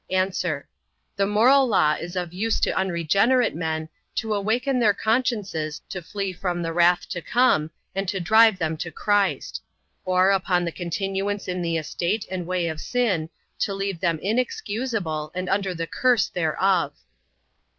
A. The moral law is of use to unregenerate men, to awaken their consciences to flee from the wrath to come, and to drive them to Christ; or, upon the continuance in the estate and way of sin, to leave them inexcusable, and under the curse thereof.